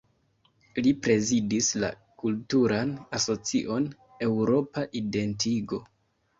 Li prezidis la kulturan asocion Eŭropa Identigo.